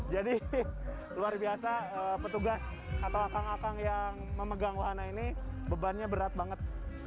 jadi luar biasa petugas atau akang akang yang memegang wahana ini bebannya berat banget